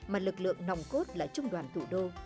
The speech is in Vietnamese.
mà lực lượng nòng cốt là trung đoàn thủ đô